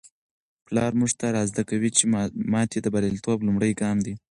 پلار موږ ته را زده کوي چي ماتې د بریالیتوب لومړی ګام دی.